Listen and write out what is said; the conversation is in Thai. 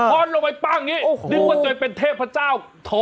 อ้อนลงไปปั้งอย่างนี้นึกว่าตัวเองเป็นเทพเจ้าโท